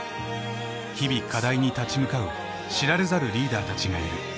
日々課題に立ち向かう知られざるリーダーたちがいる。